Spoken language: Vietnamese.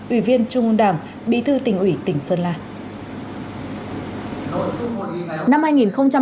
ủy viên trung ương đảng bí thư tỉnh ủy tỉnh sơn la